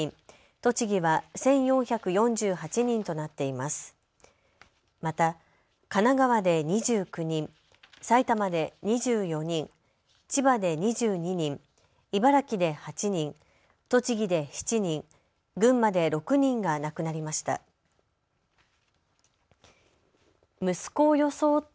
また、神奈川で２９人、埼玉で２４人、千葉で２２人、茨城で８人、栃木で７人、群馬で６人が亡くなりました。